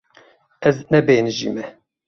Ez nebêhnijîme.